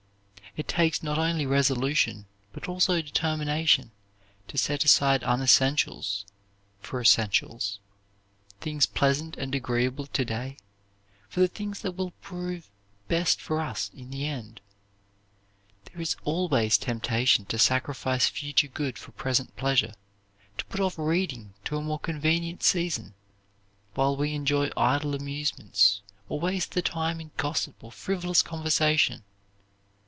It takes not only resolution but also determination to set aside unessentials for essentials, things pleasant and agreeable to day for the things that will prove best for us in the end. There is always temptation to sacrifice future good for present pleasure; to put off reading to a more convenient season, while we enjoy idle amusements or waste the time in gossip or frivolous conversation.